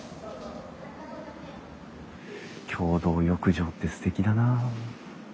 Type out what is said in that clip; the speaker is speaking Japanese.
共同浴場ってすてきだなあ。